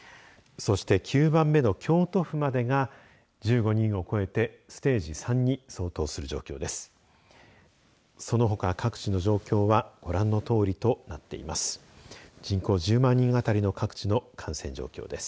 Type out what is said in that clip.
そして、９番目の京都府までが１５人を超えてステージ３に相当する状況です。